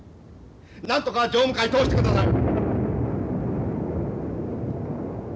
なんとか常務会通してください！